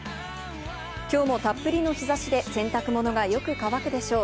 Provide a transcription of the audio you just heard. きょうもたっぷりの日差しで洗濯物がよく乾くでしょう。